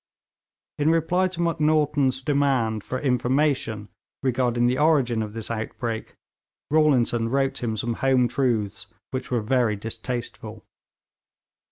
In reply to Macnaghten's demand for information regarding the origin of this outbreak, Rawlinson wrote him some home truths which were very distasteful.